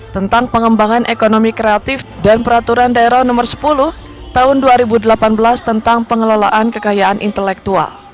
tentang pengembangan ekonomi kreatif dan peraturan daerah nomor sepuluh tahun dua ribu delapan belas tentang pengelolaan kekayaan intelektual